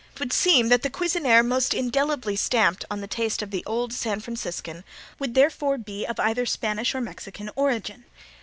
It would seem that the cuisinaire most indelibly stamped on the taste of the old San Franciscan would, therefore, be of either Spanish or Mexican origin.